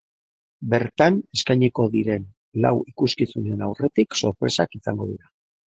Bertan eskainiko diren lau ikuskizunen aurretik sorpresak izango dira.